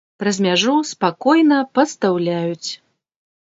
Праз мяжу спакойна пастаўляюць!